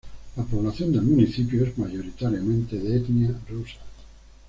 La población del municipio es mayoritariamente de etnia rusa.